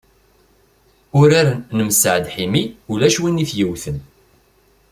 Urar n Messaɛd Ḥimi, ulac win i t-yewten.